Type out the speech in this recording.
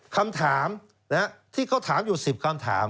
คำถามนะฮะที่เขาถามอยู่สิบคำถาม